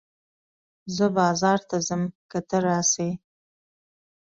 زه بازار ته ځم که ته راسې